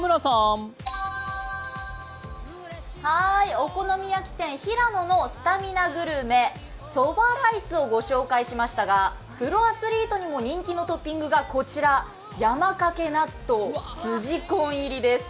お好み焼き店、ひらののスタミナグルメそばライスをご紹介しましたが、プロアスリートにも人気のトッピンがこちら、山かけ納豆すじこ入りです。